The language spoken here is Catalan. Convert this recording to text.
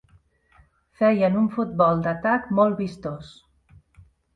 Feien un futbol d'atac molt vistós.